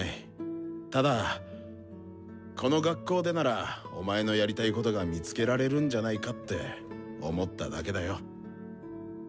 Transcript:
ただこの学校でならお前のやりたいことが見つけられるんじゃないかって思っただけだよ。